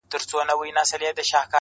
• تر لمسیو به دي جوړه آشیانه وي -